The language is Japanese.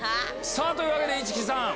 というわけで市來さん。